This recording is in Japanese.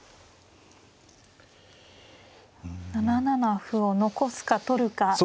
７七歩を残すか取るか。